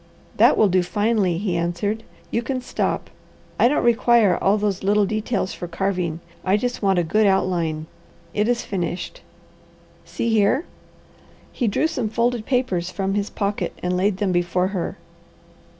"That will do finely," he answered. "You can stop. I don't require all those little details for carving, I just want a good outline. It is finished. See here!" He drew some folded papers from his pocket and laid them before her.